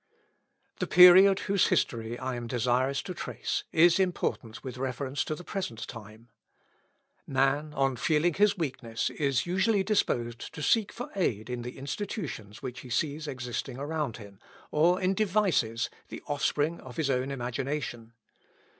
The period whose history I am desirous to trace, is important with reference to the present time. Man, on feeling his weakness, is usually disposed to seek for aid in the institutions which he sees existing around him, or in devices, the offspring of his own imagination.